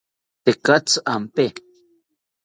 Tekatzi ampe